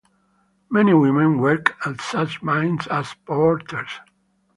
Many women work at such mines as porters.